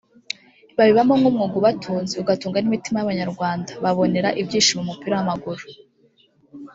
babibamo nk’umwuga ubatunze ugatunga n’imitima y’Abanyarwanda babonera ibyishimo mu mupira w’amaguru